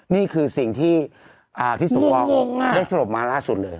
นี่คือสิ่งที่สมปองได้สรุปมาล่าสุดเลย